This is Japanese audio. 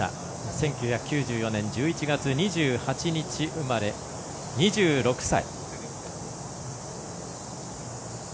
１９９４年１１月２８日生まれ２６歳。